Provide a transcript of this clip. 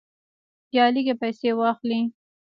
یا لږې پیسې واخلې.